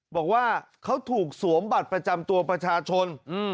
บอกว่าเขาถูกสวมบัตรประจำตัวประชาชน